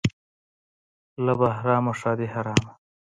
- له بهرامه ښادي حرامه.